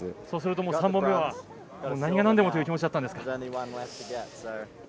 そうすると３本目は何がなんでもという気持ちだったんですか。